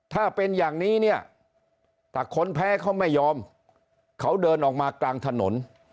ถ้าเป็นอย่างนี้เนี่ยถ้าคนแพ้เขาไม่ยอมเขาเดินออกมากลางถนน